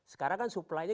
sekarang kan supplynya